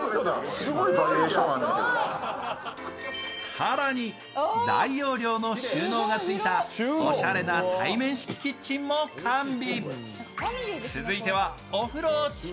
更に大容量の収納がついたおしゃれな対面式キッチンも完備。